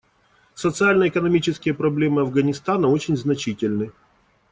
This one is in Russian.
Социально-экономические проблемы Афганистана очень значительны.